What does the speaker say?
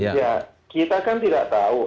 kita kan tidak tahu